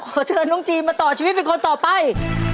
ขอเชิญน้องจีนมาต่อชีวิตเป็นคนต่อไป